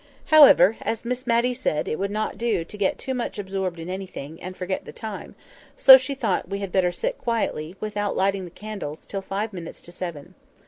However, as Miss Matty said, it would not do to get too much absorbed in anything, and forget the time; so she thought we had better sit quietly, without lighting the candles, till five minutes to seven.